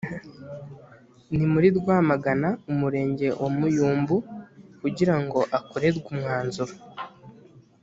ni muri rwamagana, umurenge wa muyumbu kugira ngo akorerwe umwanzuro